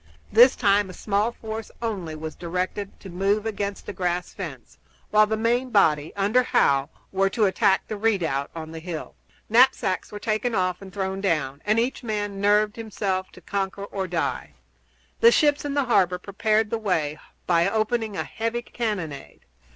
This time a small force only was directed to move against the grass fence, while the main body, under Howe, were to attack the redoubt on the hill. Knapsacks were taken off and thrown down, and each man nerved himself to conquer or die. The ships in the harbor prepared the way by opening a heavy cannonade.